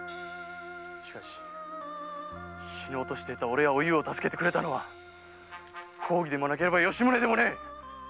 しかし死のうとしていた俺やおゆうを助けてくれたのは公儀でもなければ吉宗でもねえ！